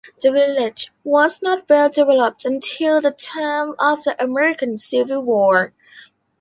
The village was not well-developed until the time of the American Civil War.